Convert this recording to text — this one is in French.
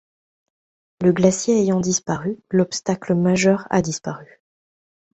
Le glacier ayant disparu, l’obstacle majeur a disparu.